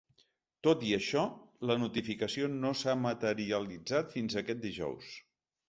Tot i això, la notificació no s’ha materialitzat fins aquest dijous.